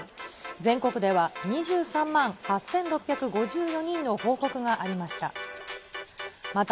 全国では２３万８６５４人の報告がありました。